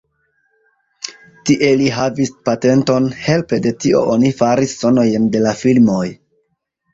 Tie li havis patenton, helpe de tio oni faris sonojn de la filmoj.